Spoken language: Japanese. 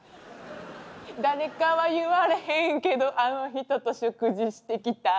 「誰かは言われへんけどあの人と食事してきた」